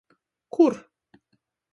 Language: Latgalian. Kur?